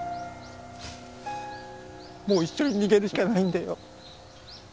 もう一緒に逃げるしかないんだよ。